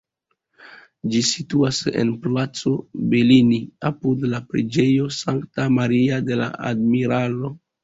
Ĝi situas en Placo Bellini, apud la Preĝejo Sankta Maria de la Admiralo.